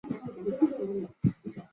救军粮